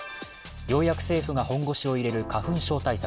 ようやく政府が本腰を入れる花粉症対策。